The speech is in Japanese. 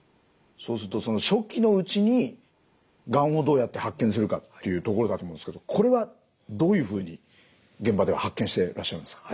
そうするとその初期のうちにがんをどうやって発見するかっていうところだと思うんですけどこれはどういうふうに現場では発見してらっしゃるんですか？